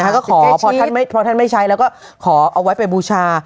ก็ขอท่านไม่ใช้แล้วก็ขอเอาไว้ไปบูชา